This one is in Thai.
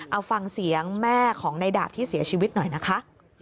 เอาฟังเสียงแม่ของในดาบที่เสียชีวิตหน่อยนะคะ